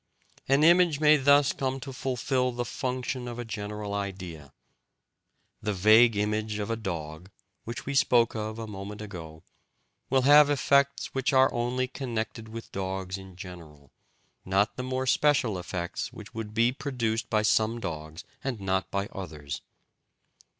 An image may thus come to fulfil the function of a general idea. The vague image of a dog, which we spoke of a moment ago, will have effects which are only connected with dogs in general, not the more special effects which would be produced by some dogs but not by others.